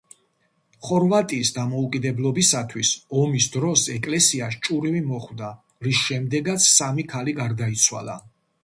ხორვატიის დამოუკიდებლობისათვის ომის დროს ეკლესიას ჭურვი მოხვდა, რის შემდეგაც სამი ქალი გარდაიცვალა.